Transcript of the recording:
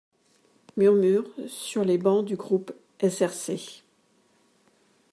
Murmures sur les bancs du groupe SRC.